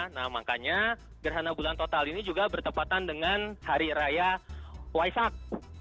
nah makanya gerhana bulan total ini juga bertepatan dengan hari raya waisak